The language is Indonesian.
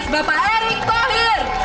bapak erick thohir